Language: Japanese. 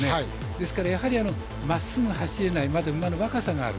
ですからまっすぐ走れない馬の若さがある。